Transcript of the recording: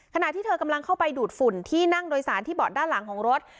ขณะที่เธอกำลังเข้าไปดูดฝุ่นที่นั่งโดยสารที่เบาะด้านหลังของรถ